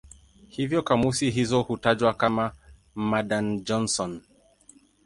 Hivyo kamusi hizo hutajwa kama "Madan-Johnson".